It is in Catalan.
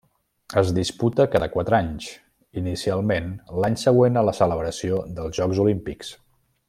Es disputa cada quatre anys, inicialment l'any següent a la celebració dels Jocs Olímpics.